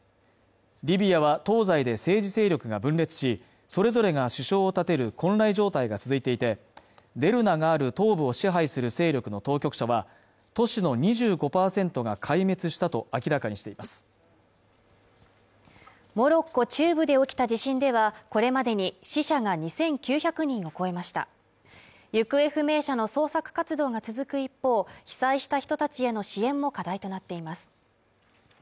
リビアは東西で政治勢力が分裂しそれぞれが首相を立てる混乱状態が続いていてデルナがある東部を支配する勢力の当局者は都市の２５％が壊滅したと明らかにしていますモロッコ中部で起きた地震ではこれまでに死者が２９００人を超えました行方不明者の捜索活動が続く一方被災した人たちへの支援も課題となっています